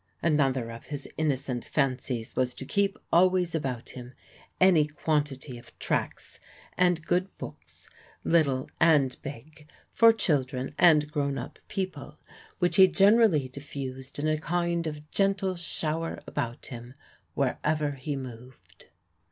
Another of his innocent fancies was to keep always about him any quantity of tracts and good books, little and big, for children and grown up people, which he generally diffused in a kind of gentle shower about him wherever he moved.